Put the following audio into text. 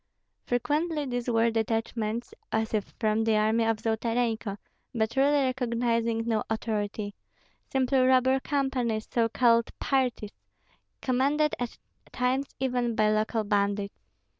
Frequently these were detachments as if from the army of Zolotarenko, but really recognizing no authority, simply robber companies, so called "parties" commanded at times even by local bandits.